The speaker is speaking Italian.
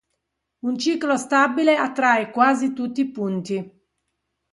Un ciclo stabile attrae quasi tutti i punti.